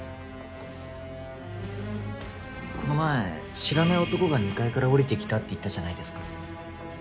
この前知らない男が２階から降りてきたって言ったじゃないですか。